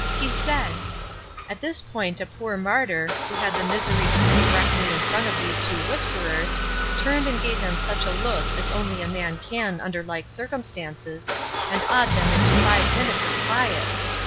He said " At this point a poor martyr, who had the misery to sit directly in front of these two whisperers, turned and gave them such a look as only a man can under like circumstances, and awed them into five minutes of quiet.